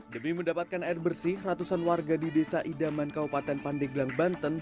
demi mendapatkan air bersih ratusan warga di desa idaman kabupaten pandeglang banten